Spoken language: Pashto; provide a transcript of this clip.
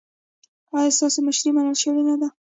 ایا ستاسو مشري منل شوې نه ده؟